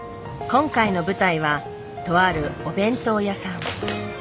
今回の舞台はとあるお弁当屋さん。